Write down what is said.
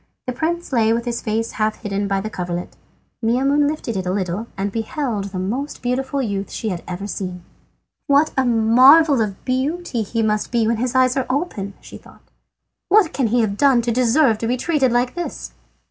The prince lay with his face half hidden by the coverlet. Maimoune lifted it a little and beheld the most beautiful youth she had ever seen. "What a marvel of beauty he must be when his eyes are open!" she thought. "What can he have done to deserve to be treated like this?"